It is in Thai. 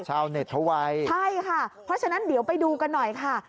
ชาวเน็ตเขาไวใช่ค่ะเพราะฉะนั้นเดี๋ยวไปดูกันหน่อยค่ะ